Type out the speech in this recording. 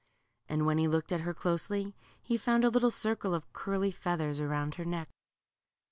And when he looked at her closely he found a little circle of curly feathers round her neck.